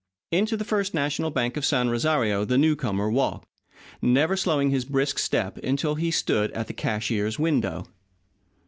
Into the First National Bank of San Rosario the newcomer walked, never slowing his brisk step until he stood at the cashier's window.